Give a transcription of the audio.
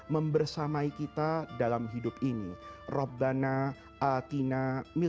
membersamai kita dalam hidup ini